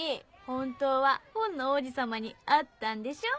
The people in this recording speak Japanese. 本当は本の王子様に会ったんでしょ？